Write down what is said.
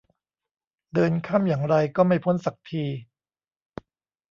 เดินข้ามอย่างไรก็ไม่พ้นสักที